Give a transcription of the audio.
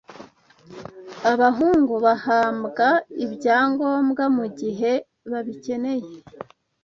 abahungu bahambwa ibyangombwa mu gihe babikeneye